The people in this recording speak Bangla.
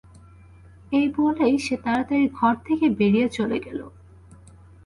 এই বলেই সে তাড়াতাড়ি ঘর থেকে বেরিয়ে চলে গেল।